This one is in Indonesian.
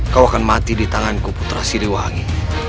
kau akan mati di tanganku putra siliwangi